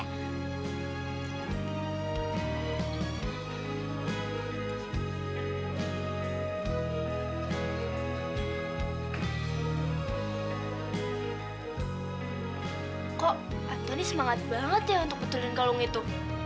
kok antoni semangat banget ya untuk betulin kalung itu